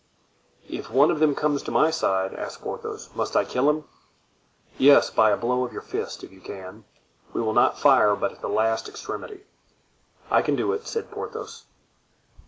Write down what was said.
"If one of them comes to my side," asked Porthos, "must I kill him?" "Yes, by a blow of your fist, if you can; we will not fire but at the last extremity." "I can do it," said Porthos.